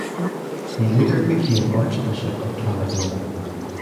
He later became Archbishop of Tarragona.